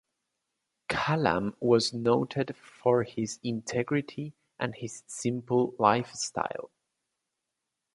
Kalam was noted for his integrity and his simple lifestyle.